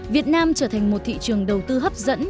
việt nam trở thành một thị trường đầu tư hấp dẫn